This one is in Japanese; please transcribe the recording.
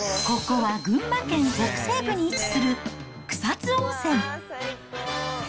ここは群馬県北西部に位置する草津温泉。